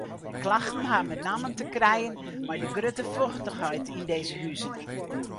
De klachten ha benammen te krijen mei de grutte fochtichheid yn dizze huzen.